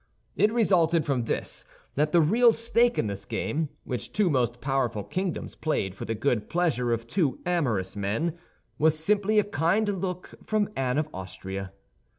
It resulted from this that the real stake in this game, which two most powerful kingdoms played for the good pleasure of two amorous men, was simply a kind look from Anne of Austria.